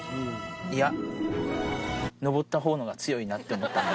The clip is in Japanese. いや、登ったほうが強いなって思ったんで。